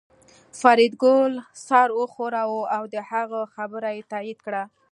فریدګل سر وښوراوه او د هغه خبره یې تایید کړه